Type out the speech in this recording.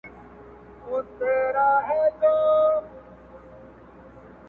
یو څو ورځي بېغمي وه په کورو کي؛